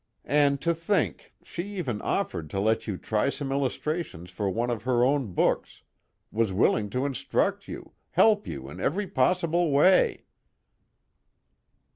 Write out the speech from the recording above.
And to think, she even offered to let you try some illustrations for one of her own books, was willing to instruct you, help you in every possible way!"